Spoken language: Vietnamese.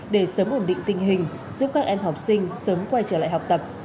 để sớm ổn định tình hình giúp các em học sinh sớm quay trở lại học tập